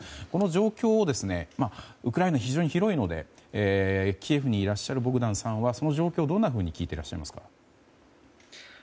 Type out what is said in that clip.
この状況をウクライナは非常に広いのでキエフにいらっしゃるボグダンさんはその状況をどんなふうに聞いていらっしゃいますか？